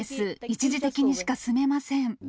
一時的にしか住めません。